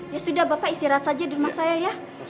ya sudah bapak istirahat saja di rumah saya ya